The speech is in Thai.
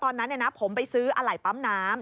ตอนนั้นผมไปซื้ออะไหล่ปั๊มน้ำ